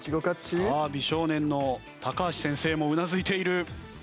さあ美少年の高橋先生もうなずいている。